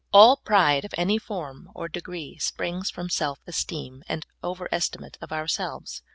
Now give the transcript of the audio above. All pride of any form or degree springs from self esteem and over estimate of ourselves.